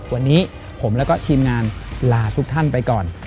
วันนี้ผมแล้วก็ทีมงานลาทุกท่านไปก่อน